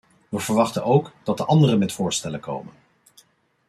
We verwachten ook dat de anderen met voorstellen komen.